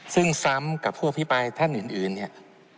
ซึ่งซ้ำกับพวกพี่ปลายท่านอื่นเนี่ย